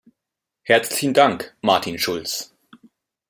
Herzlichen Dank, Martin Schulz!